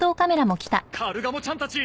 カルガモちゃんたち